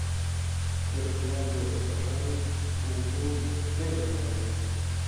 ګډونوالو وویل، رنګ "اولو" بېل رنګ دی.